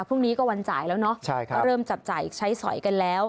พรุ่งนี้ก็วันจ่ายแล้วเนาะก็เริ่มจับจ่ายใช้สอยกันแล้ว